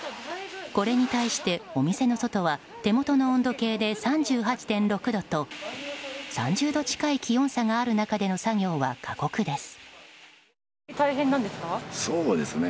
これに対して、お店の外は手元の温度計で３８．６度と３０度近い気温差がある中での作業は過酷です。